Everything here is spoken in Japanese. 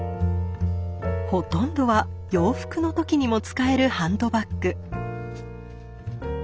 ほとんどは洋服の時にも使えるハンドバッグ。